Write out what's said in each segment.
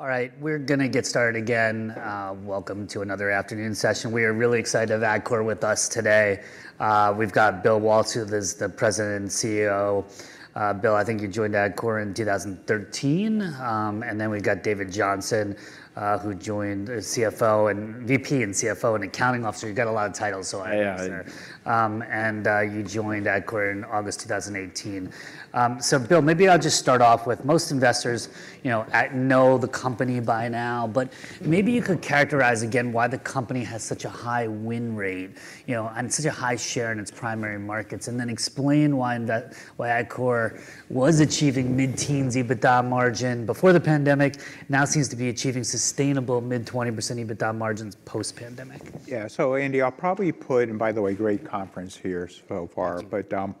All right, we're gonna get started again. Welcome to another afternoon session. We are really excited to have Atkore with us today. We've got Bill Waltz, who is the President and CEO. Bill, I think you joined Atkore in 2013? And then we've got David Johnson, who joined as CFO and VP and Chief Accounting officer. You've got a lot of titles, so I- Yeah, yeah. You joined Atkore in August 2018. So Bill, maybe I'll just start off with, most investors, you know, know the company by now, but maybe you could characterize again why the company has such a high win rate, you know, and such a high share in its primary markets, and then explain why that, why Atkore was achieving mid-teens EBITDA margin before the pandemic, now seems to be achieving sustainable mid-20% EBITDA margins post-pandemic. Yeah. So Andy, I'll probably put... And by the way, great conference here so far. Thank you. But,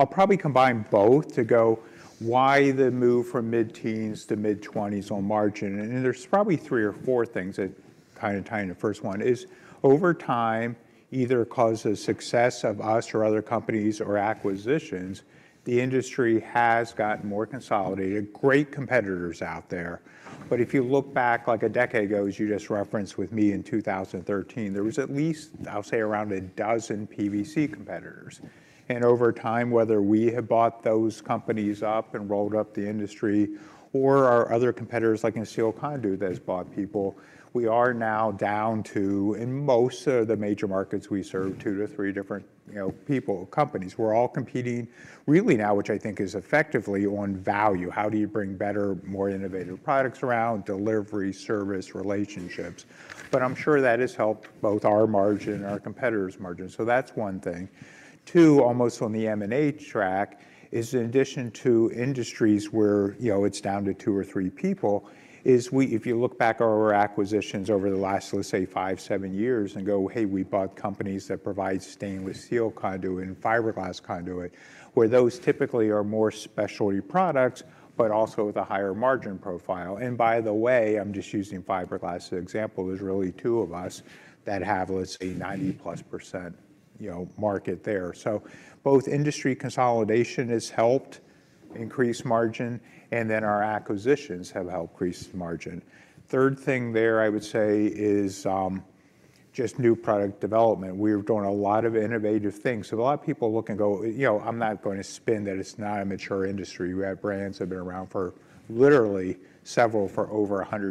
I'll probably combine both to go, why the move from mid-teens to mid-20s on margin? And then there's probably three or four things that kind of tie in. The first one is, over time, either because of the success of us or other companies or acquisitions, the industry has gotten more consolidated. Great competitors out there, but if you look back, like a decade ago, as you just referenced with me in 2013, there was at least, I'll say, around a dozen PVC competitors. And over time, whether we have bought those companies up and rolled up the industry, or our other competitors, like in steel conduit, that has bought people, we are now down to, in most of the major markets we serve, tw to three different, you know, people, companies. We're all competing really now, which I think is effectively on value. How do you bring better, more innovative products around delivery, service, relationships? But I'm sure that has helped both our margin and our competitors' margin. So that's one thing. Two, almost on the M&A track, is in addition to industries where, you know, it's down to two or three people, is, if you look back over our acquisitions over the last, let's say, 5-7 years and go, "Hey, we bought companies that provide stainless steel conduit and fiberglass conduit," where those typically are more specialty products, but also with a higher margin profile. And by the way, I'm just using fiberglass as an example. There's really two of us that have, let's say, 90%+, you know, market there. So both industry consolidation has helped increase margin, and then our acquisitions have helped increase margin. Third thing there, I would say, is just new product development. We're doing a lot of innovative things. So a lot of people look and go, you know, I'm not going to spin that it's not a mature industry. We have brands that have been around for over 100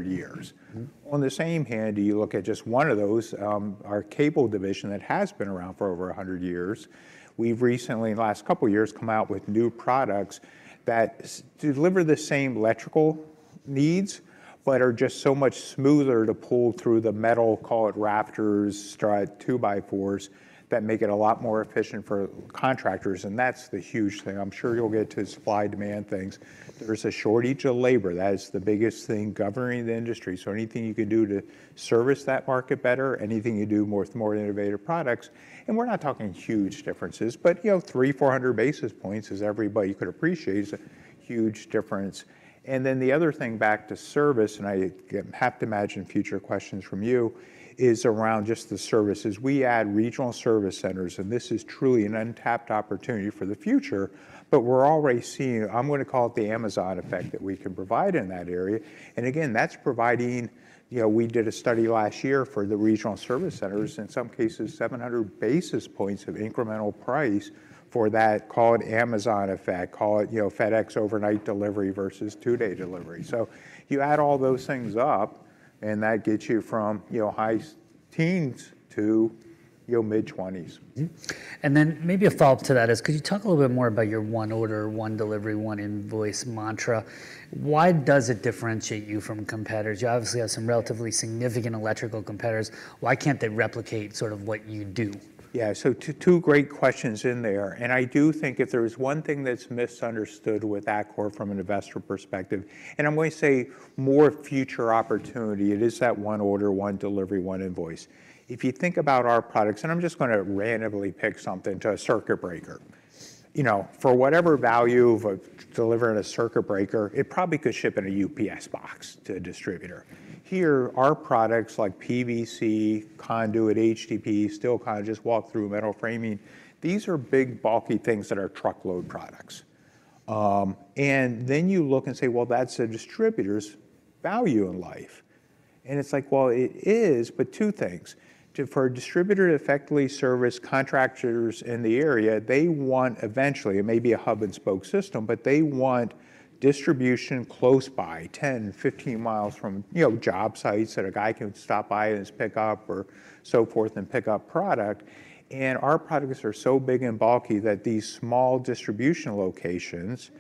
years. Mm-hmm. On the same hand, you look at just one of those, our cable division that has been around for over 100 years, we've recently, in the last couple of years, come out with new products that deliver the same electrical needs, but are just so much smoother to pull through the metal, call it rafters, strut, two-by-fours, that make it a lot more efficient for contractors, and that's the huge thing. I'm sure you'll get to supply-demand things. There's a shortage of labor. That is the biggest thing governing the industry. So anything you can do to service that market better, anything you do more with more innovative products, and we're not talking huge differences, but, you know, 300-400 basis points, as everybody could appreciate, is a huge difference. And then the other thing, back to service, and I have to imagine future questions from you, is around just the services. We add regional service centers, and this is truly an untapped opportunity for the future, but we're already seeing, I'm going to call it the Amazon effect, that we can provide in that area. And again, that's providing... You know, we did a study last year for the regional service centers, in some cases, 700 basis points of incremental price for that, call it Amazon effect, call it, you know, FedEx overnight delivery versus two-day delivery. So you add all those things up, and that gets you from, you know, high teens to, you know, mid-twenties. Mm-hmm. And then maybe a follow-up to that is, could you talk a little bit more about your One Order, One Delivery, One Invoice mantra? Why does it differentiate you from competitors? You obviously have some relatively significant electrical competitors. Why can't they replicate sort of what you do? Yeah, so two great questions in there. And I do think if there is one thing that's misunderstood with Atkore from an investor perspective, and I'm going to say more future opportunity, it is that One Order, One Delivery, One Invoice. If you think about our products, and I'm just going to randomly pick something, take a circuit breaker. You know, for whatever value of delivering a circuit breaker, it probably could ship in a UPS box to a distributor. Here, our products, like PVC conduit, HDPE, steel conduit, Unistrut metal framing, these are big, bulky things that are truckload products. And then you look and say, "Well, that's a distributor's value in life." And it's like, well, it is, but two things: for a distributor to effectively service contractors in the area, they want eventually, it may be a hub-and-spoke system, but they want distribution close by, 10, 15 miles from, you know, job sites that a guy can stop by and just pick up or so forth and pick up product. And our products are so big and bulky that these small distribution locations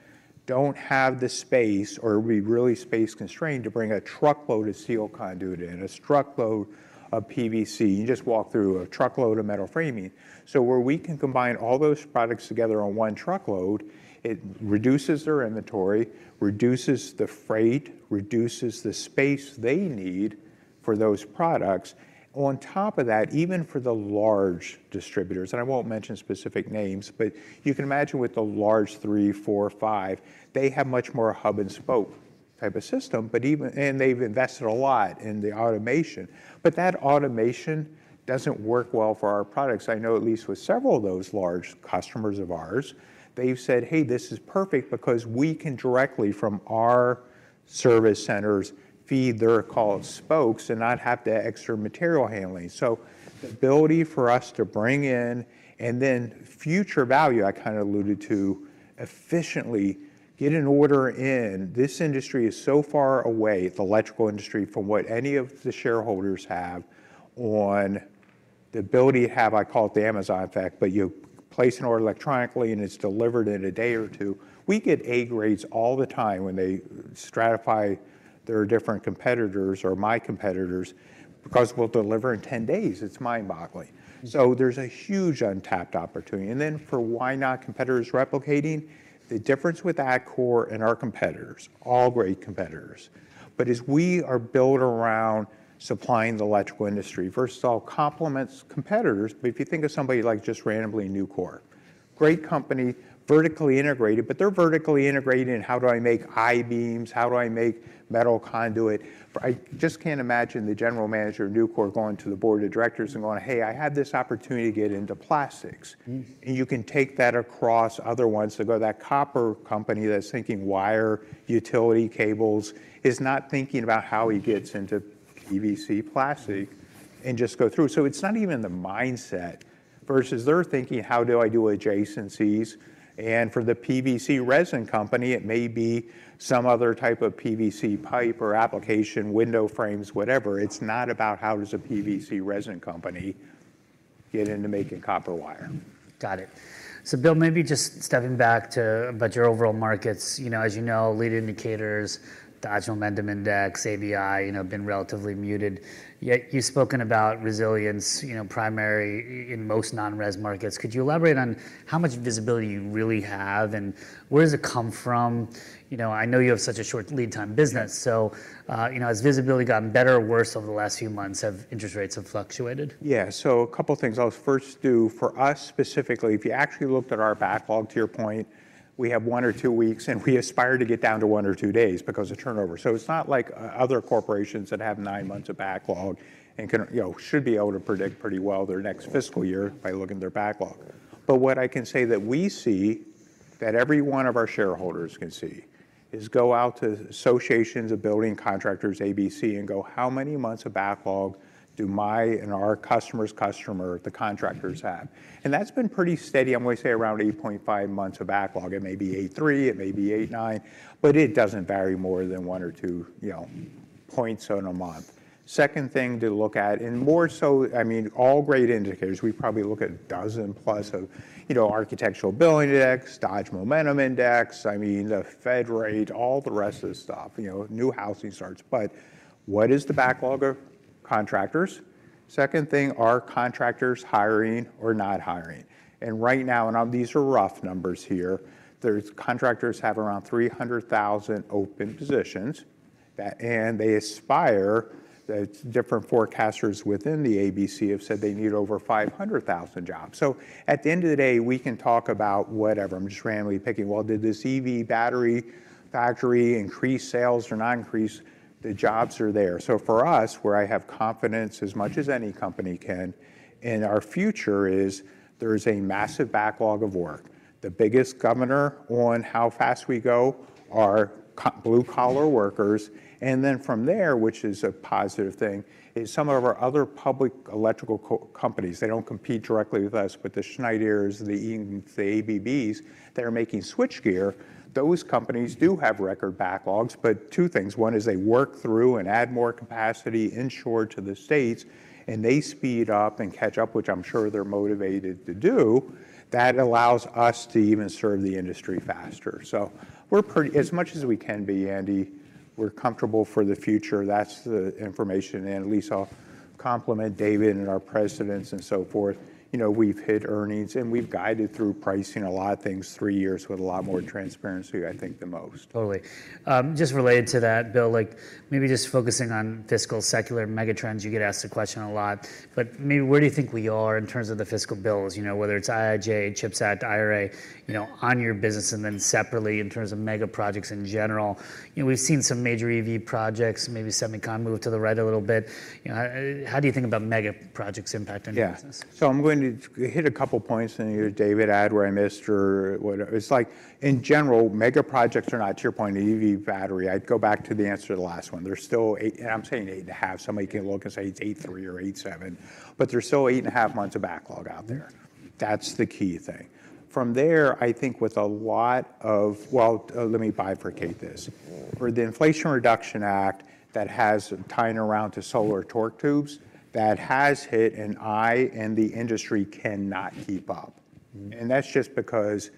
don't have the space, or we're really space-constrained to bring a truckload of steel conduit in, a truckload of PVC. Unistrut a truckload of metal framing. So where we can combine all those products together on one truckload, it reduces their inventory, reduces the freight, reduces the space they need for those products. On top of that, even for the large distributors, and I won't mention specific names, but you can imagine with the large three, four, or five, they have much more hub-and-spoke type of system, but even, and they've invested a lot in the automation, but that automation doesn't work well for our products. I know at least with several of those large customers of ours, they've said, "Hey, this is perfect because we can directly, from our service centers, feed their called spokes and not have to extra material handling." So the ability for us to bring in, and then future value, I kind of alluded to, efficiently get an order in. This industry is so far away, the electrical industry, from what any of the shareholders have on the ability to have. I call it the Amazon effect, but you place an order electronically, and it's delivered in a day or two. We get A grades all the time when they stratify their different competitors or my competitors, because we'll deliver in 10 days. It's mind-boggling. So there's a huge untapped opportunity. And then for why not competitors replicating, the difference with Atkore and our competitors, all great competitors, but is we are built around supplying the electrical industry. First of all, complements competitors, but if you think of somebody like just randomly, Nucor, great company, vertically integrated, but they're vertically integrated in: How do I make I-beams? How do I make metal conduit? I just can't imagine the general manager of Nucor going to the board of directors and going, "Hey, I had this opportunity to get into plastics. Mm. You can take that across other ones. So go to that copper company that's thinking wire, utility cables, is not thinking about how he gets into PVC plastic and just go through. So it's not even the mindset, versus they're thinking: How do I do adjacencies? For the PVC resin company, it may be some other type of PVC pipe or application, window frames, whatever. It's not about how does a PVC resin company get into making copper wire. Got it. So, Bill, maybe just stepping back to about your overall markets. You know, as you know, leading indicators, Dodge Momentum Index, ABI, you know, have been relatively muted, yet you've spoken about resilience, you know, primary in most non-res markets. Could you elaborate on how much visibility you really have, and where does it come from? You know, I know you have such a short lead time business, so, you know, has visibility gotten better or worse over the last few months as interest rates have fluctuated? Yeah. So a couple things I'll first do. For us, specifically, if you actually looked at our backlog, to your point, we have on or two weeks, and we aspire to get down to one or two days because of turnover. So it's not like other corporations that have nine months of backlog and can, you know, should be able to predict pretty well their next fiscal year by looking at their backlog. But what I can say that we see, that every one of our shareholders can see, is go out to Associated Builders and Contractors, ABC, and go, "How many months of backlog do my and our customer's customer, the contractors, have?" And that's been pretty steady. I'm gonna say around 8.5 months of backlog. It may be 83, it may be 89, but it doesn't vary more than one or two, you know, points in a month. Second thing to look at, and more so... I mean, all great indicators. We probably look at a dozen plus of, you know, Architecture Billings Index, Dodge Momentum Index, I mean, the fed rate, all the rest of this stuff, you know, new housing starts. But what is the backlog of contractors? Second thing, are contractors hiring or not hiring? And right now, and these are rough numbers here, there's, contractors have around 300,000 open positions, that, and they aspire, the different forecasters within the ABC have said they need over 500,000 jobs. So at the end of the day, we can talk about whatever. I'm just randomly picking. Well, did this EV battery factory increase sales or not increase? The jobs are there. So for us, where I have confidence as much as any company can, in our future is there is a massive backlog of work. The biggest governor on how fast we go are blue-collar workers, and then from there, which is a positive thing, is some of our other public electrical companies, they don't compete directly with us, but the Schneiders, the Eatons, the ABBs, that are making switchgear, those companies do have record backlogs. But two things: One is they work through and add more capacity onshore to the States, and they speed up and catch up, which I'm sure they're motivated to do. That allows us to even serve the industry faster. So we're pretty as much as we can be, Andy, we're comfortable for the future. That's the information. At least I'll compliment David and our presidents and so forth. You know, we've hit earnings, and we've guided through pricing a lot of things three years with a lot more transparency, I think, the most. Totally. Just related to that, Bill, like maybe just focusing on fiscal secular megatrends, you get asked the question a lot, but maybe where do you think we are in terms of the fiscal bills? You know, whether it's IIJA, CHIPS Act, IRA, you know, on your business, and then separately, in terms of mega projects in general. You know, we've seen some major EV projects, maybe semi-con move to the right a little bit. You know, how, how do you think about mega projects' impact on your business? Yeah. So I'm going to hit a couple points, and you, David, add where I missed or whatever. It's like, in general, mega projects are not, to your point, an EV battery. I'd go back to the answer to the last one. There's still eight... And I'm saying 8.5. Somebody can look and say it's 8.3 or 8.7, but there's still 8.5 months of backlog out there. That's the key thing. From there, I think with a lot of... Well, let me bifurcate this. For the Inflation Reduction Act, that has tying around to solar torque tubes, that has hit, and I and the industry cannot keep up. Mm. And that's just because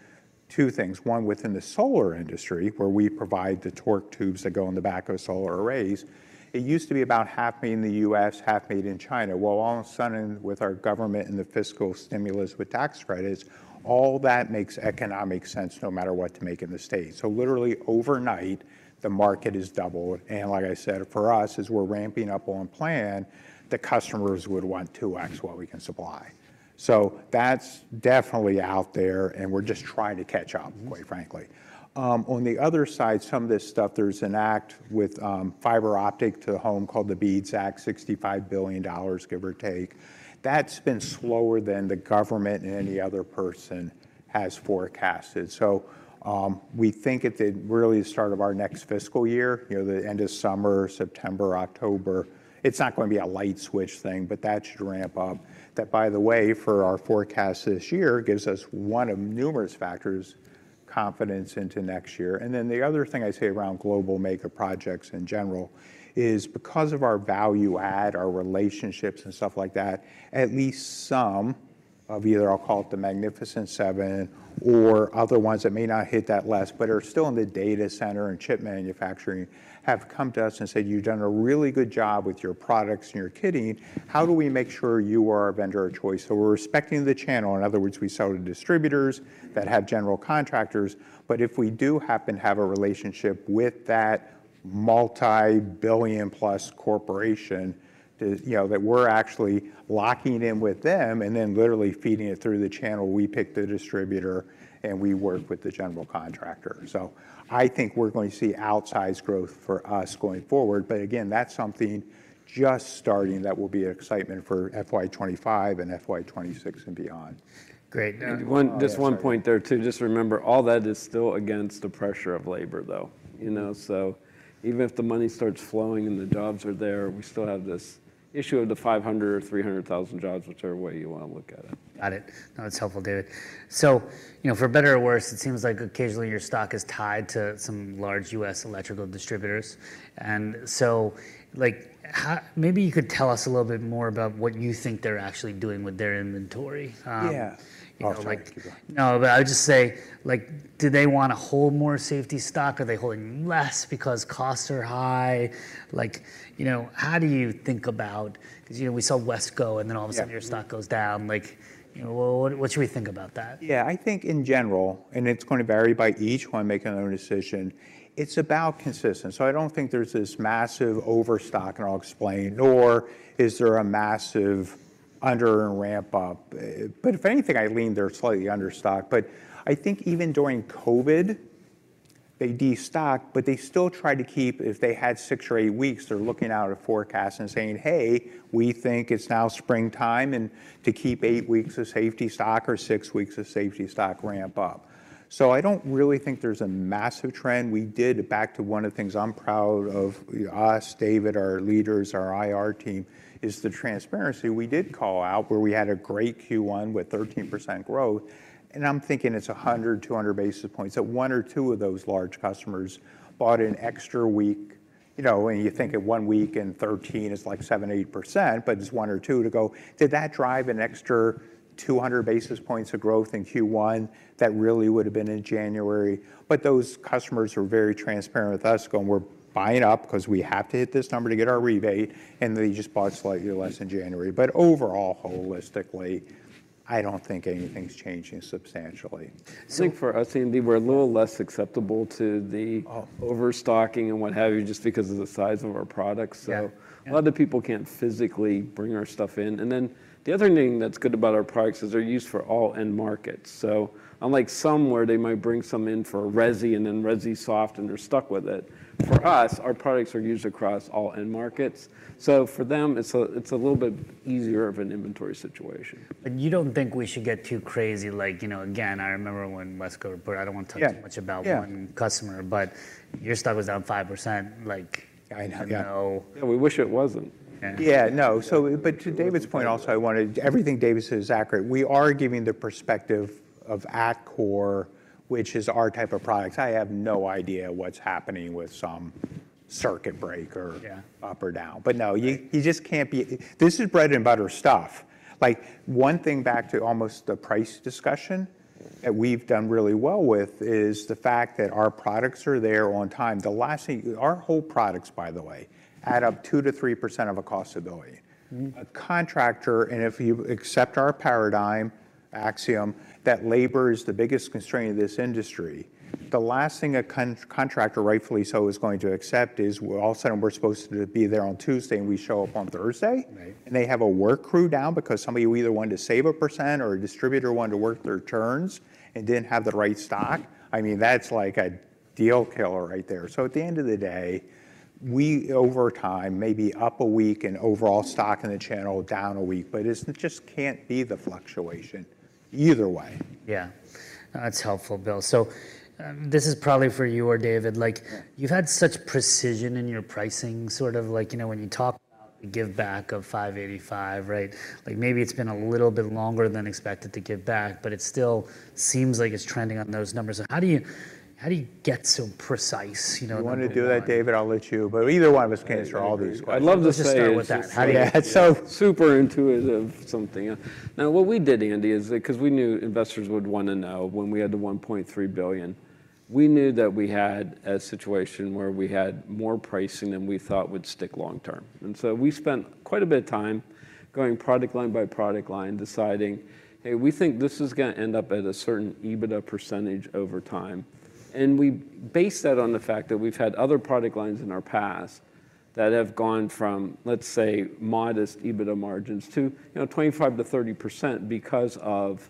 two things: One, within the solar industry, where we provide the torque tubes that go on the back of solar arrays, it used to be about half made in the U.S., half made in China. Well, all of a sudden, with our government and the fiscal stimulus with tax credits, all that makes economic sense no matter what to make in the States. So literally overnight, the market is doubled, and like I said, for us, as we're ramping up on plan, the customers would want to ask what we can supply.... So that's definitely out there, and we're just trying to catch up, quite frankly. On the other side, some of this stuff, there's an act with fiber optic to the home called the BEAD Act, $65 billion, give or take. That's been slower than the government and any other person has forecasted. So, we think at the really start of our next fiscal year, you know, the end of summer, September, October, it's not gonna be a light switch thing, but that should ramp up. That, by the way, for our forecast this year, gives us one of numerous factors, confidence into next year. And then the other thing I'd say around global mega projects in general, is because of our value add, our relationships, and stuff like that, at least some of either I'll call it the Magnificent Seven or other ones that may not hit that list, but are still in the data center and chip manufacturing, have come to us and said, "You've done a really good job with your products and your kitting. How do we make sure you are our vendor of choice?" So we're respecting the channel, in other words, we sell to distributors that have general contractors, but if we do happen to have a relationship with that multi-billion-plus corporation, you know, that we're actually locking in with them, and then literally feeding it through the channel, we pick the distributor, and we work with the general contractor. So I think we're going to see outsized growth for us going forward, but again, that's something just starting that will be excitement for FY 2025 and FY 2026 and beyond. Great. Now- Just one point there, too. Just remember, all that is still against the pressure of labor, though. You know, so even if the money starts flowing and the jobs are there, we still have this issue of the 500 or 300,000 jobs, whichever way you wanna look at it. Got it. No, it's helpful, David. So, you know, for better or worse, it seems like occasionally your stock is tied to some large U.S. electrical distributors, and so, like, how, maybe you could tell us a little bit more about what you think they're actually doing with their inventory? Yeah. I'll try. No, but I would just say, like, do they wanna hold more safety stock? Are they holding less because costs are high? Like, you know, how do you think about... Because, you know, we saw WESCO, and then all of a sudden- Yeah... your stock goes down. Like, you know, what, what should we think about that? Yeah, I think in general, and it's going to vary by each one making their own decision, it's about consistency. So I don't think there's this massive overstock, and I'll explain, nor is there a massive under and ramp up, but if anything, I lean they're slightly under stocked. But I think even during COVID, they de-stocked, but they still tried to keep, if they had six or eight weeks, they're looking out a forecast and saying, "Hey, we think it's now springtime, and to keep eight weeks of safety stock or six weeks of safety stock ramp up." So I don't really think there's a massive trend. We did, back to one of the things I'm proud of us, David, our leaders, our IR team, is the transparency. We did call out where we had a great Q1 with 13% growth, and I'm thinking it's 100-200 basis points. So one or two of those large customers bought an extra week. You know, when you think of one week and 13 is like 7%-8%, but just one or two to go, did that drive an extra 200 basis points of growth in Q1 that really would've been in January? But those customers were very transparent with us, going: "We're buying up 'cause we have to hit this number to get our rebate," and they just bought slightly less in January. But overall, holistically, I don't think anything's changing substantially. I think for us, Andy, we're a little less acceptable to the- Oh... overstocking and what have you, just because of the size of our products. Yeah. So a lot of people can't physically bring our stuff in. And then the other thing that's good about our products is they're used for all end markets. So unlike some, where they might bring some in for resi and then resi soft and they're stuck with it, for us, our products are used across all end markets. So for them, it's a little bit easier of an inventory situation. But you don't think we should get too crazy, like, you know, again, I remember when WESCO, but I don't want to talk- Yeah... too much about one customer, but your stock was down 5%. Like, I know. Yeah, we wish it wasn't. Yeah, no. So but to David's point, also, I wanted—everything David said is accurate. We are giving the perspective of Atkore, which is our type of products. I have no idea what's happening with some circuit breaker- Yeah... up or down. But no, you just can't be. This is bread-and-butter stuff. Like, one thing back to almost the price discussion that we've done really well with is the fact that our products are there on time. The last thing. Our whole products, by the way, add up 2%-3% of a cost ability. Mm-hmm. A contractor, and if you accept our paradigm, axiom, that labor is the biggest constraint of this industry, the last thing a contractor, rightfully so, is going to accept is, well, all of a sudden we're supposed to be there on Tuesday, and we show up on Thursday? Right. And they have a work crew down because somebody either wanted to save a percent or a distributor wanted to work their turns and didn't have the right stock? I mean, that's like a deal killer right there. So at the end of the day, we, over time, may be up a week and overall stock in the channel down a week, but it's, it just can't be the fluctuation either way. Yeah. That's helpful, Bill. So, this is probably for you or David, like- Yeah... you've had such precision in your pricing, sort of like, you know, when you talk about the giveback of $5.85, right? Like, maybe it's been a little bit longer than expected to give back, but it still seems like it's trending on those numbers. So how do you, how do you get so precise, you know? You want to do it, David? I'll let you, but either one of us can answer all these questions. I'd love to say- Let's just start with that. How do you get so-... super intuitive, something. Now, what we did, Andy, is because we knew investors would want to know when we had the $1.3 billion, we knew that we had a situation where we had more pricing than we thought would stick long term. And so we spent quite a bit of time going product line by product line, deciding, "Hey, we think this is gonna end up at a certain EBITDA percentage over time." And we based that on the fact that we've had other product lines in our past... that have gone from, let's say, modest EBITDA margins to, you know, 25%-30% because of,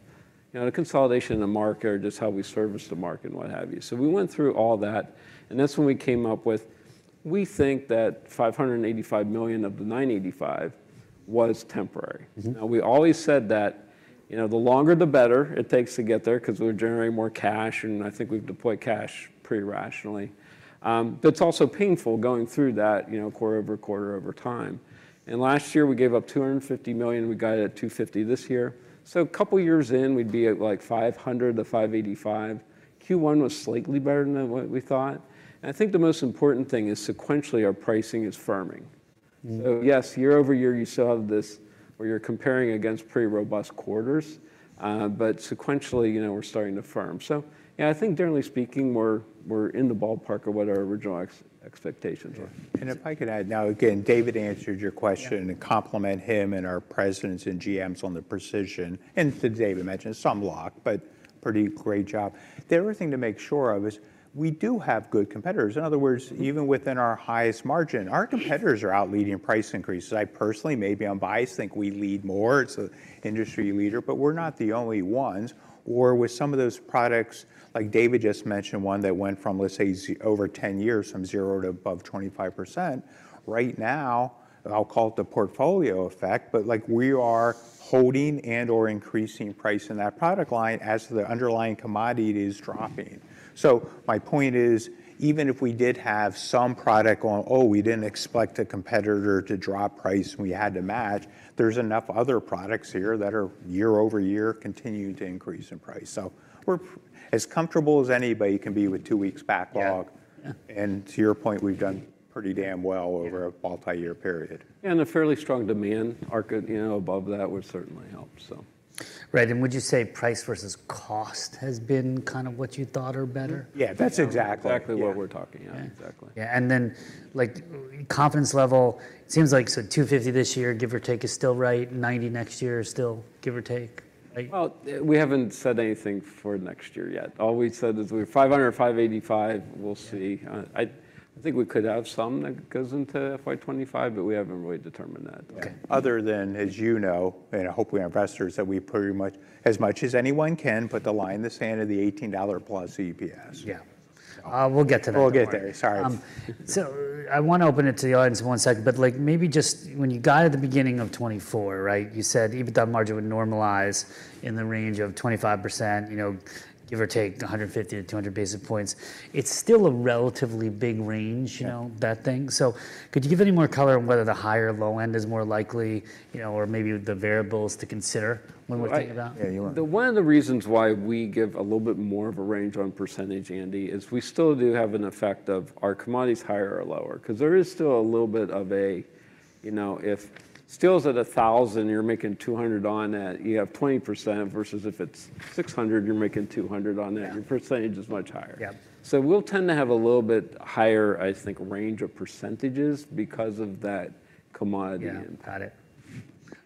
you know, the consolidation in the market or just how we service the market and what have you. So we went through all that, and that's when we came up with, we think that $585 million of the $985 million was temporary. Mm-hmm. Now, we always said that, you know, the longer the better it takes to get there, 'cause we're generating more cash, and I think we've deployed cash pretty rationally. But it's also painful going through that, you know, quarter-over-quarter over time. And last year we gave up $250 million, and we guided at $250 million this year. So a couple of years in, we'd be at, like, $500 million-$585 million. Q1 was slightly better than what we thought, and I think the most important thing is sequentially our pricing is firming. Mm. So yes, year over year, you still have this, where you're comparing against pretty robust quarters. But sequentially, you know, we're starting to firm. So yeah, I think generally speaking, we're, we're in the ballpark of what our original expectations were. Yeah. If I could add, now again, David answered your question- Yeah... and to compliment him and our presidents and GMs on the precision, and as David mentioned, some luck, but pretty great job. The other thing to make sure of is, we do have good competitors. In other words- Mm... even within our highest margin, our competitors are out leading price increases. I personally, maybe I'm biased, think we lead more, as the industry leader, but we're not the only ones. Or with some of those products, like David just mentioned, one that went from, let's say, over 10 years, from zero to above 25%, right now, I'll call it the portfolio effect, but, like, we are holding and/or increasing price in that product line as the underlying commodity is dropping. So my point is, even if we did have some product going, "Oh, we didn't expect a competitor to drop price, and we had to match," there's enough other products here that are year-over-year continuing to increase in price. So we're as comfortable as anybody can be with two weeks backlog. Yeah, yeah. To your point, we've done pretty damn well. Yeah... over a multi-year period. A fairly strong demand market, you know, above that would certainly help, so. Right, and would you say price versus cost has been kind of what you thought or better? Yeah, that's exactly- Exactly what we're talking about. Yeah. Exactly. Yeah, and then, like, confidence level seems like so $250 this year, give or take, is still right, $90 next year is still, give or take? Like- Well, we haven't said anything for next year yet. All we said is we're $500 million-$585 million, we'll see. Yeah. I think we could have some that goes into FY 2025, but we haven't really determined that. Okay. Other than, as you know, and hopefully our investors, that we pretty much, as much as anyone can, put the line in the sand of the $18+ EPS. Yeah. So. We'll get to that. We'll get there, sorry. So, I want to open it to the audience in one second, but, like, maybe just when you guided at the beginning of 2024, right, you said EBITDA margin would normalize in the range of 25%, you know, give or take 150-200 basis points. It's still a relatively big range, you know- Yeah... that thing. So could you give any more color on whether the high or low end is more likely, you know, or maybe the variables to consider when we're thinking about it? Right. Yeah, you want- One of the reasons why we give a little bit more of a range on percentage, Andy, is we still do have an effect of, are commodities higher or lower? 'Cause there is still a little bit of a... You know, if steel's at $1,000, you're making $200 on that, you have 20%, versus if it's $600, you're making $200 on that- Yeah... your percentage is much higher. Yeah. We'll tend to have a little bit higher, I think, range of percentages because of that commodity impact. Yeah, got it.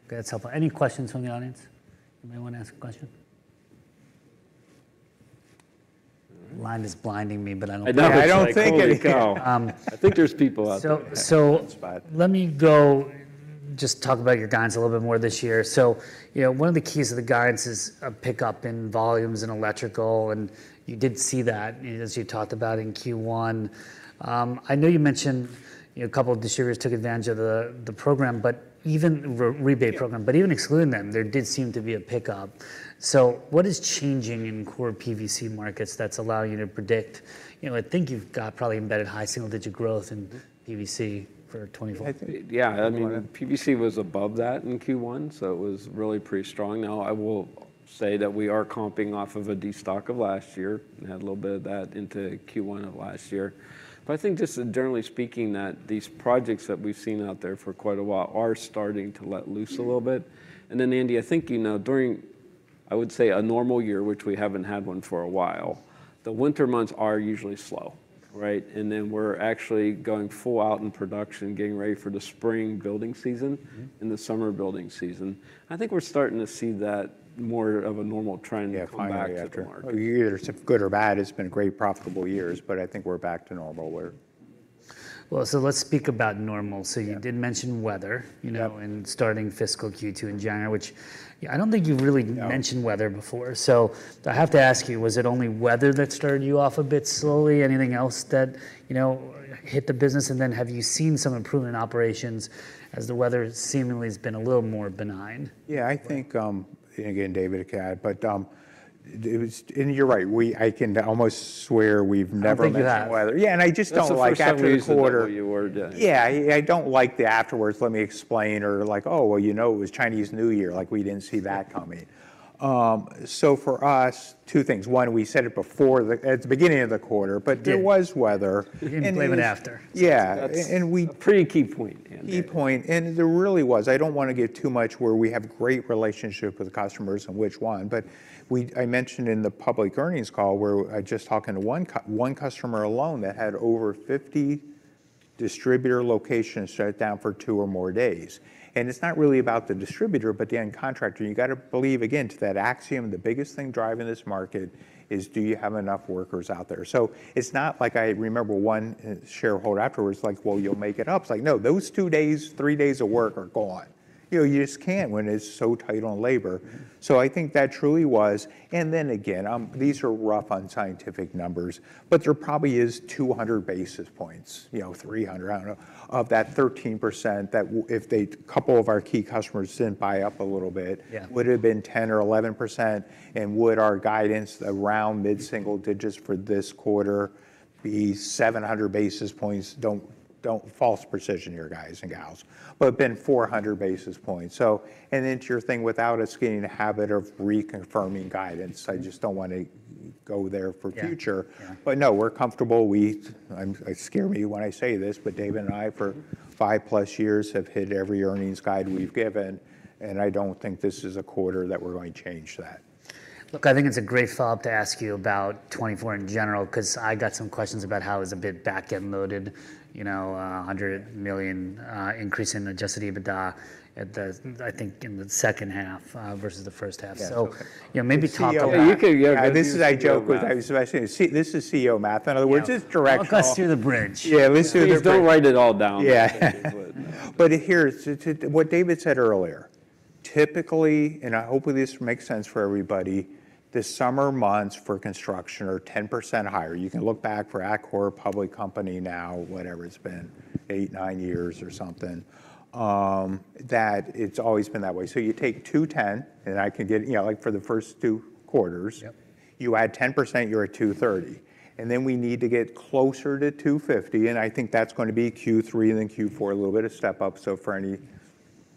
Okay, that's helpful. Any questions from the audience? Anybody want to ask a question? The line is blinding me, but I don't- I know, I don't think anybody- Holy cow! I think there's people out there. So, so- Spot... let me go just talk about your guidance a little bit more this year. So, you know, one of the keys to the guidance is a pickup in volumes in electrical, and you did see that, as you talked about in Q1. I know you mentioned, you know, a couple of distributors took advantage of the, the program, but even, re- rebate program- Yeah... but even excluding them, there did seem to be a pickup. So what is changing in core PVC markets that's allowing you to predict? You know, I think you've got probably embedded high single-digit growth in PVC- Mm ... for 2024. I think, yeah, I mean- Yeah... PVC was above that in Q1, so it was really pretty strong. Now, I will say that we are comping off of a destock of last year, and had a little bit of that into Q1 of last year. But I think just generally speaking, that these projects that we've seen out there for quite a while are starting to let loose a little bit. And then, Andy, I think, you know, during, I would say, a normal year, which we haven't had one for a while, the winter months are usually slow, right? And then we're actually going full out in production, getting ready for the spring building season- Mm-hmm... and the summer building season. I think we're starting to see that more of a normal trend come back to the market. Yeah, finally after years of good or bad, it's been great profitable years, but I think we're back to normal where- Well, let's speak about normal. Yeah. So you did mention weather- Yeah... you know, in starting fiscal Q2 in January, which, yeah, I don't think you've really- No... mentioned weather before. So I have to ask you, was it only weather that started you off a bit slowly? Anything else that, you know, hit the business? And then, have you seen some improvement in operations as the weather seemingly has been a little more benign? Yeah, I think, again, David can add, but, it was... And you're right, I can almost swear we've never- I don't think you have. ...mentioned weather. Yeah, and I just don't like after the quarter- That's the first reason that we were. Yeah, I don't like the afterwards, "Let me explain," or like, "Oh, well, you know, it was Chinese New Year," like we didn't see that coming. So for us, two things: One, we said it before the, at the beginning of the quarter- You did... but there was weather. You didn't blame it after. Yeah. That's- And we- A pretty key point, yeah.... key point, and there really was. I don't want to give too much, where we have great relationship with the customers and which one, but we, I mentioned in the public earnings call, where I was just talking to one customer alone that had over 50 distributor locations shut down for two or more days. And it's not really about the distributor, but the end contractor. And you got to believe, again, to that axiom, the biggest thing driving this market is: Do you have enough workers out there? So it's not like I remember one shareholder afterwards, like, "Well, you'll make it up." It's like, no, those two days, three days of work are gone.... you know, you just can't when it's so tight on labor. So I think that truly was- and then again, these are rough, unscientific numbers, but there probably is 200 basis points, you know, 300, I don't know, of that 13%, that w- if they-- a couple of our key customers didn't buy up a little bit- Yeah... would it have been 10% or 11%? And would our guidance around mid-single digits for this quarter be 700 basis points? Don't, don't false precision here, guys and gals, but been 400 basis points. So, and then to your thing, without us getting in the habit of reconfirming guidance, I just don't want to go there for future. Yeah, yeah. But no, we're comfortable. It scares me when I say this, but David and I, for five-plus years, have hit every earnings guide we've given, and I don't think this is a quarter that we're going to change that. Look, I think it's a great follow-up to ask you about 2024 in general, 'cause I got some questions about how is the bid back-end loaded, you know, $100 million increase in adjusted EBITDA at the, I think, in the second half, versus the first half. Yeah. You know, maybe talk a little- You could, yeah- This is, I joke with... I was about to say, this is CEO math. In other words, it's directional. Help us through the bridge. Yeah, let's do the bridge. Please don't write it all down. Yeah. But here, to what David said earlier, typically, and I hope this makes sense for everybody, the summer months for construction are 10% higher. You can look back for Atkore, a public company now, whatever, it's been eight, nine years or something, that it's always been that way. So you take 2 10, and I can get, you know, like, for the first two quarters- Yep... you add 10%, you're at $230, and then we need to get closer to $250, and I think that's going to be Q3 and then Q4, a little bit of step up. So for any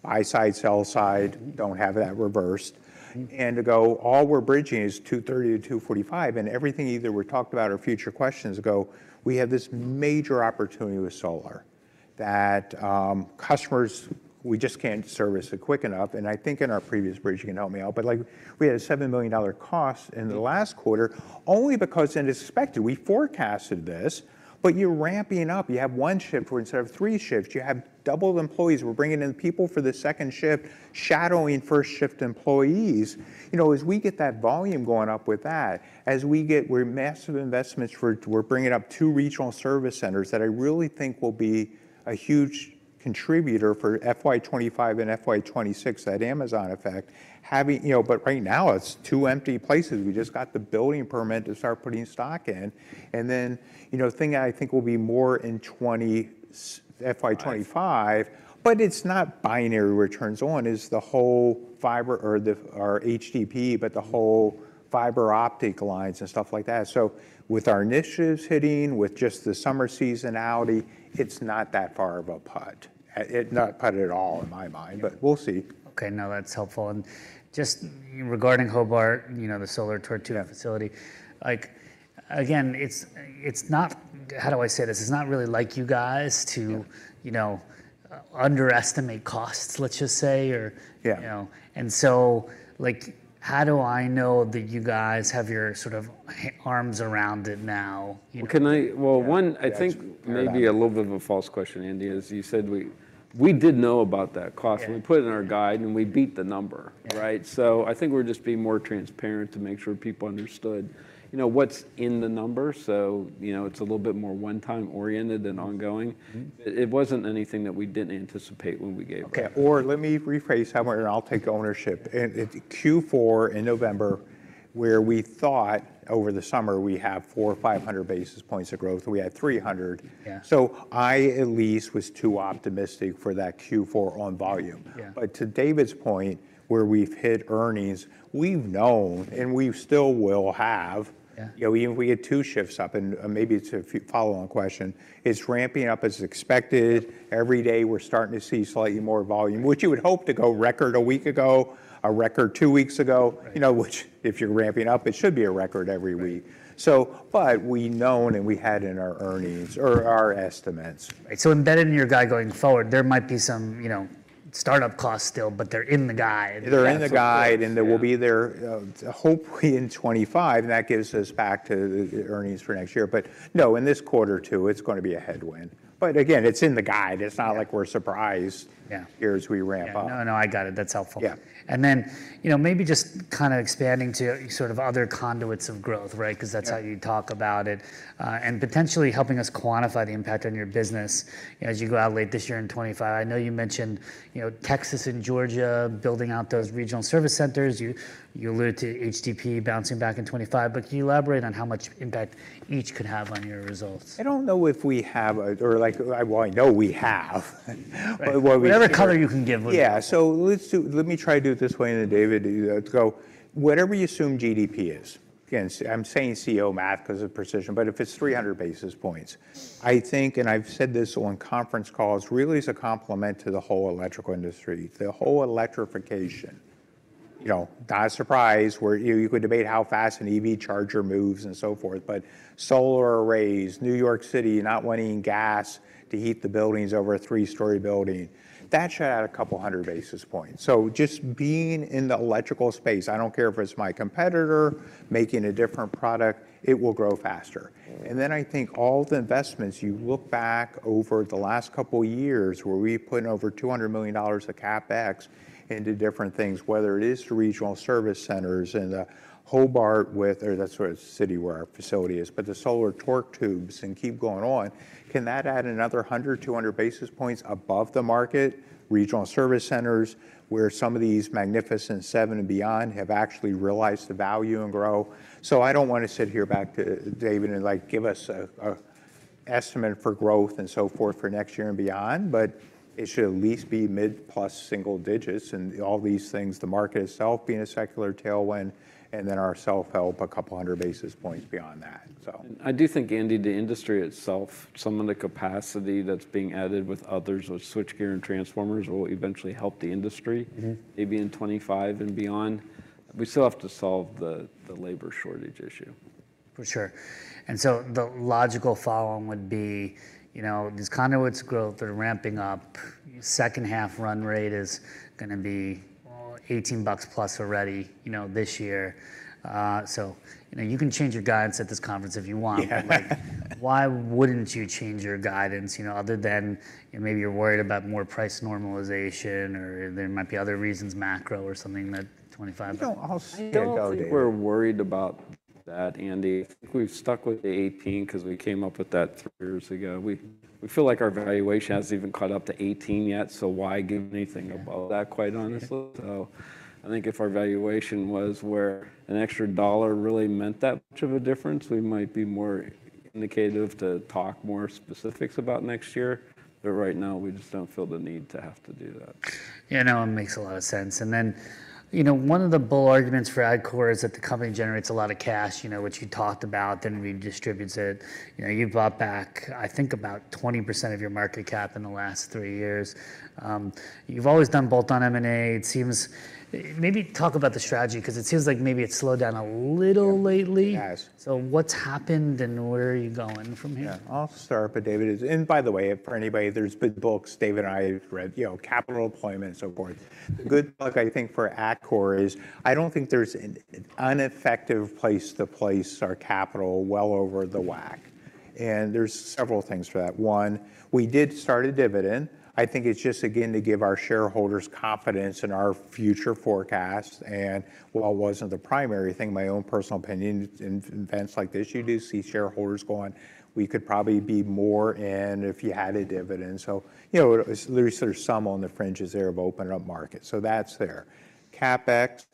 buy side, sell side, don't have that reversed. And to go, all we're bridging is $230-$245, and everything either we talked about or future questions ago, we have this major opportunity with solar that customers, we just can't service it quick enough. And I think in our previous bridge, you can help me out, but, like, we had a $7 million cost in the last quarter only because... and expected, we forecasted this, but you're ramping up. You have one shift where instead of three shifts, you have double the employees. We're bringing in people for the second shift, shadowing first shift employees. You know, as we get that volume going up with that, as we get we're massive investments for - we're bringing up two regional service centers that I really think will be a huge contributor for FY 2025 and FY 2026, that Amazon effect. Having, you know... but right now, it's two empty places. We just got the building permit to start putting stock in, and then, you know, the thing I think will be more in twenty s- Right... FY 2025, but it's not binary returns on, it's the whole fiber or the, or HDPE, but the whole fiber optic lines and stuff like that. So with our initiatives hitting, with just the summer seasonality, it's not that far of a putt. It, not putt at all in my mind, but we'll see. Okay, no, that's helpful. Just regarding Hobart, you know, the solar torque tube facility, like, again, it's not—how do I say this? It's not really like you guys to— Yeah... you know, underestimate costs, let's just say, or- Yeah... you know? And so like, how do I know that you guys have your sort of arms around it now, you know? Can I- Yeah. Well, one, I think maybe a little bit of a false question, Andy, is you said we, we did know about that cost. Yeah. We put it in our guide, and we beat the number, right? Yeah. I think we're just being more transparent to make sure people understood, you know, what's in the number. You know, it's a little bit more one-time oriented than ongoing. Mm-hmm. It wasn't anything that we didn't anticipate when we gave it. Okay, or let me rephrase, and I'll take ownership. In Q4, in November, where we thought over the summer we have 400 or 500 basis points of growth, we had 300. Yeah. I at least was too optimistic for that Q4 on volume. Yeah. But to David's point, where we've hit earnings, we've known, and we still will have. Yeah. You know, even if we had two shifts up, and maybe it's a follow-on question, it's ramping up as expected. Every day, we're starting to see slightly more volume, which you would hope to go record a week ago, a record two weeks ago- Right... you know, which if you're ramping up, it should be a record every week. Right. But we've known, and we had in our earnings or our estimates. Embedded in your guide going forward, there might be some, you know, start-up costs still, but they're in the guide. They're in the guide- Yeah... and they will be there, hopefully in 2025, and that gets us back to the, the earnings for next year. But no, in this quarter, too, it's going to be a headwind. But again, it's in the guide. Yeah. It's not like we're surprised- Yeah ... here as we ramp up. Yeah. No, no, I got it. That's helpful. Yeah. And then, you know, maybe just kind of expanding to sort of other conduits of growth, right? Yeah. 'Cause that's how you talk about it, and potentially helping us quantify the impact on your business, you know, as you go out late this year in 2025. I know you mentioned, you know, Texas and Georgia building out those regional service centers. You alluded to HDPE bouncing back in 2025, but can you elaborate on how much impact each could have on your results? I don't know if we have, like, well, I know we have. Right. But what we- Whatever color you can give. Yeah, so let's do, let me try to do it this way, and then David, you go. Whatever you assume GDP is, again, I'm saying CEO math 'cause of precision, but if it's 300 basis points, I think, and I've said this on conference calls, really as a compliment to the whole electrical industry, the whole electrification, you know, not a surprise, where you, you could debate how fast an EV charger moves and so forth, but solar arrays, New York City not wanting gas to heat the buildings over a three-story building, that should add a couple hundred basis points. So just being in the electrical space, I don't care if it's my competitor making a different product, it will grow faster. Then I think all the investments, you look back over the last couple of years, where we put in over $200 million of CapEx into different things, whether it is the regional service centers in Hobart, or that's where the city where our facility is, but the solar torque tubes, and keep going on, can that add another 100, 200 basis points above the market? Regional service centers, where some of these Magnificent Seven and beyond have actually realized the value and grow. So I don't wanna sit here back to David, and, like, give us a estimate for growth and so forth for next year and beyond, but it should at least be mid plus single digits, and all these things, the market itself being a secular tailwind, and then our self-help a couple hundred basis points beyond that, so. I do think, Andy, the industry itself, some of the capacity that's being added with others, with switchgear and transformers, will eventually help the industry. Mm-hmm... maybe in 2025 and beyond. We still have to solve the labor shortage issue. For sure. And so the logical follow-on would be, you know, this conduits growth are ramping up. Second half run rate is gonna be, well, $18+ already, you know, this year. So, you know, you can change your guidance at this conference if you want. But, like, why wouldn't you change your guidance, you know, other than maybe you're worried about more price normalization, or there might be other reasons, macro or something that 25- No, I'll still- I don't think we're worried about that, Andy. We've stuck with the 18 'cause we came up with that three years ago. We feel like our valuation hasn't even caught up to 18 yet, so why give anything above that, quite honestly? Yeah. I think if our valuation was where an extra dollar really meant that much of a difference, we might be more inclined to talk more specifics about next year, but right now, we just don't feel the need to have to do that. Yeah, no, it makes a lot of sense. And then, you know, one of the bull arguments for Atkore is that the company generates a lot of cash, you know, which you talked about, then redistributes it. You know, you've bought back, I think, about 20% of your market cap in the last three years. You've always done bolt-on M&A, it seems. Maybe talk about the strategy, 'cause it seems like maybe it's slowed down a little lately. It has. So what's happened, and where are you going from here? Yeah. I'll start, but David is... And by the way, for anybody, there's been books David and I have read, you know, capital deployment and so forth. Mm. The good book, I think, for Atkore is, I don't think there's an ineffective place to place our capital well over the WACC, and there's several things for that. One, we did start a dividend. I think it's just, again, to give our shareholders confidence in our future forecasts. And while it wasn't the primary thing, my own personal opinion, in events like this, you do see shareholders going, "We could probably be more in if you had a dividend." So you know, there's sort of some on the fringes there of opening up market, so that's there. CapEx,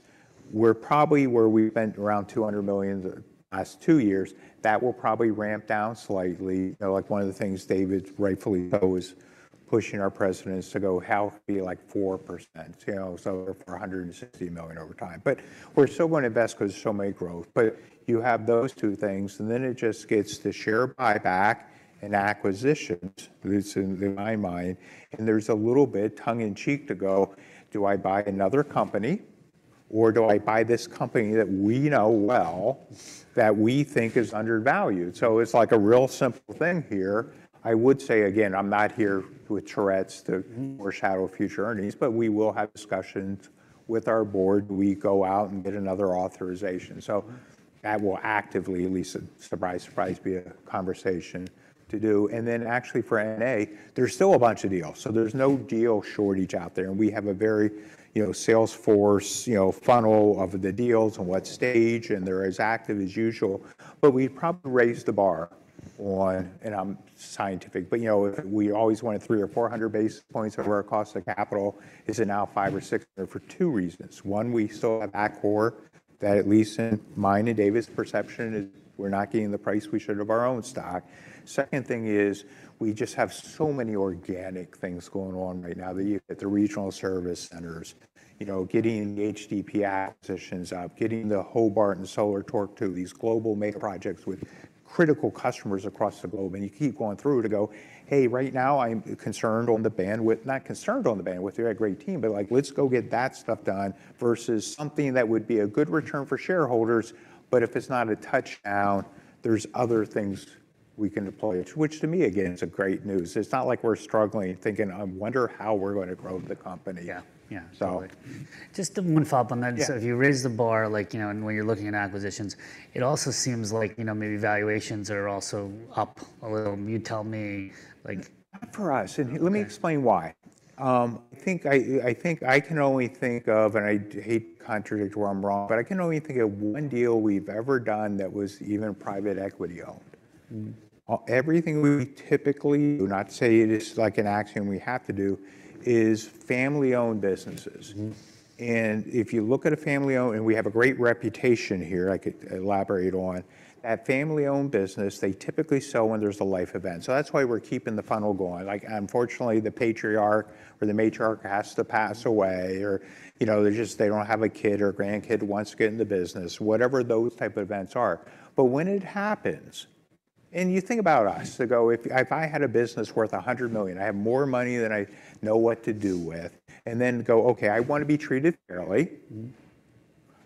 we're probably where we've spent around $200 million the last two years. That will probably ramp down slightly. You know, like one of the things David's rightfully always pushing our presidents to go, "How be, like, 4%?" You know, so for $160 million over time. But we're still going to invest 'cause there's so many growth. But you have those two things, and then it just gets to share buyback and acquisitions, at least in my mind, and there's a little bit tongue in cheek to go: Do I buy another company, or do I buy this company that we know well, that we think is undervalued? So it's like a real simple thing here. I would say again, I'm not here with Tourette's to- Mm... foreshadow future earnings, but we will have discussions with our board. We go out and get another authorization. So that will actively, at least, surprise, surprise, be a conversation to do. And then actually for M&A, there's still a bunch of deals, so there's no deal shortage out there. And we have a very, you know, sales force, you know, funnel of the deals and what stage, and they're as active as usual. But we've probably raised the bar on... And I'm scientific, but, you know, if we always wanted 300 or 400 basis points over our cost of capital, is it now five or six? And for two reasons: One, we still have Atkore, that at least in mine and David's perception, is we're not getting the price we should of our own stock. Second thing is, we just have so many organic things going on right now, the regional service centers, you know, getting the HDPE acquisitions up, getting the Hobart and solar torque tubes to these global mega projects with critical customers across the globe. And you keep going through to go, "Hey, right now I'm concerned on the bandwidth" - not concerned on the bandwidth, we have a great team, but, like, let's go get that stuff done versus something that would be a good return for shareholders, but if it's not a touchdown, there's other things we can deploy, which to me, again, is a great news. It's not like we're struggling, thinking, "I wonder how we're going to grow the company. Yeah. Yeah. So. Just one follow-up on that. Yeah. So if you raise the bar, like, you know, and when you're looking at acquisitions, it also seems like, you know, maybe valuations are also up a little. You tell me, like- Not for us- Okay... And let me explain why. I think I can only think of, and I hate to contradict where I'm wrong, but I can only think of one deal we've ever done that was even private equity-owned. Mm. Everything we typically do not say it is like an acquisition we have to do is family-owned businesses. Mm-hmm. And if you look at a family-owned, and we have a great reputation here, I could elaborate on, that family-owned business, they typically sell when there's a life event. So that's why we're keeping the funnel going. Like, unfortunately, the patriarch or the matriarch has to pass away or, you know, they're just, they don't have a kid or grandkid who wants to get in the business, whatever those type of events are. But when it happens, and you think about us, to go, "If I, if I had a business worth $100 million, I have more money than I know what to do with," and then go, "Okay, I want to be treated fairly- Mm...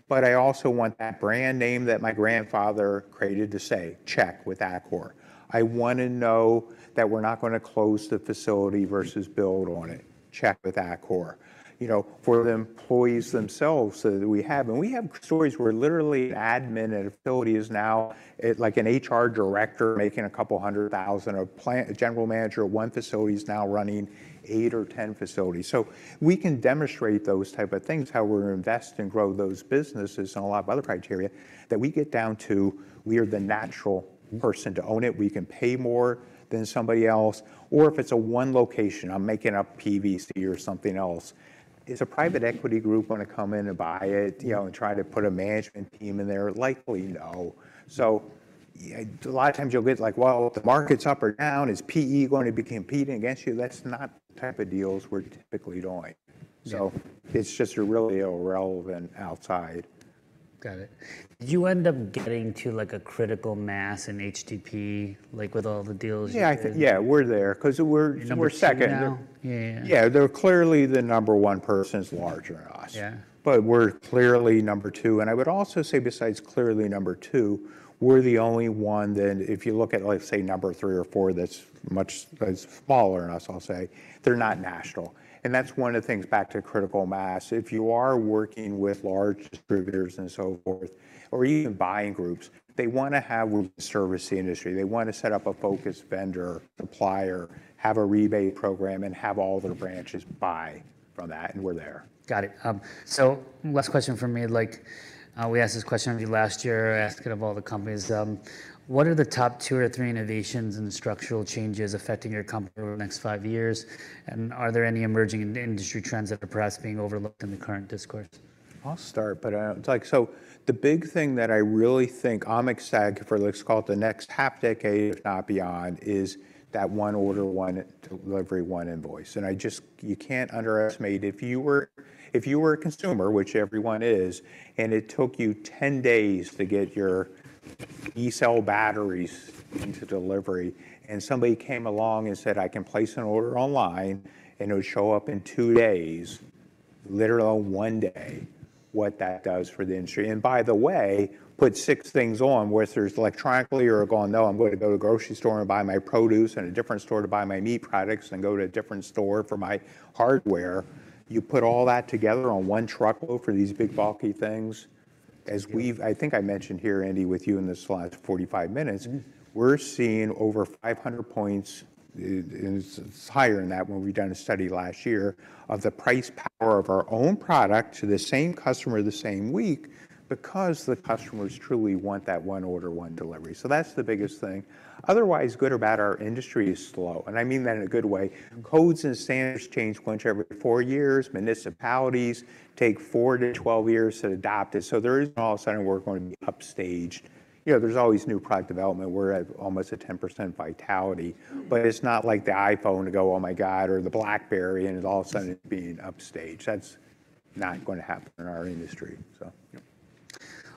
But I also want that brand name that my grandfather created to say, 'Check with Atkore. I want to know that we're not going to close the facility versus build on it.' Check with Atkore. You know, for the employees themselves that we have, and we have stories where literally an admin and a VP is now like an HR director making $200,000, a plant manager of one facility is now running eight or 10 facilities. So we can demonstrate those type of things, how we're gonna invest and grow those businesses, and a lot of other criteria that we get down to. We are the natural partner to own it. We can pay more than somebody else, or if it's a one location, I'm making up PVC or something else, is a private equity group gonna come in and buy it, you know, and try to put a management team in there? Likely no. So, a lot of times you'll get like, "Well, the market's up or down, is PE going to be competing against you?" That's not the type of deals we're typically doing. Yeah. It's just really irrelevant outside. Got it. Did you end up getting to, like, a critical mass in HDPE, like with all the deals you did? Yeah, I think, yeah, we're there, 'cause we're- Number 2 now? We're second. Yeah, yeah. Yeah, they're clearly the number one person is larger than us. Yeah. But we're clearly number two, and I would also say besides clearly number two, we're the only one that if you look at, like, say, number three or four that's much, that's smaller than us, I'll say, they're not national. And that's one of the things back to critical mass. If you are working with large distributors and so forth, or even buying groups, they wanna have service the industry. They want to set up a focused vendor, supplier, have a rebate program, and have all their branches buy from that, and we're there. Got it. Last question from me, like, we asked this question of you last year, I asked it of all the companies: What are the top two or three innovations and structural changes affecting your company over the next five years? And are there any emerging industry trends that are perhaps being overlooked in the current discourse? I'll start, but, like, so the big thing that I really think Atkore is set for, let's call it the next half decade, if not beyond, is that One Order, One Delivery, One Invoice. And I just... You can't underestimate. If you were a consumer, which everyone is, and it took you 10 days to get your E-cell batteries into delivery, and somebody came along and said, "I can place an order online, and it'll show up in two days," literally one day, what that does for the industry. And by the way, put six things on, whether it's electronically or going, "No, I'm going to go to the grocery store and buy my produce and a different store to buy my meat products and go to a different store for my hardware," you put all that together on one truckload for these big, bulky things. As we've- I think I mentioned here, Andy, with you in this last 45 minutes- Mm.... we're seeing over 500 points, and it's higher than that when we've done a study last year, of the price power of our own product to the same customer the same week because the customers truly want that one order, one delivery. So that's the biggest thing. Otherwise, good or bad, our industry is slow, and I mean that in a good way. Codes and standards change once every four years. Municipalities take four to 12 years to adopt it. So there is no all of a sudden we're going to be upstaged. You know, there's always new product development. We're at almost a 10% vitality- Mm. But it's not like the iPhone to go, "Oh, my God," or the BlackBerry, and all of a sudden it being upstaged. That's not going to happen in our industry, so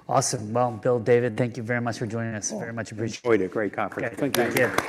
yeah. Awesome. Well, Bill, David, thank you very much for joining us. Very much appreciated. Enjoyed it. Great conference. Thank you.